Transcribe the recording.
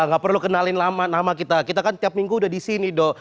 nggak perlu kenalin lama nama kita kita kan tiap minggu udah disini doh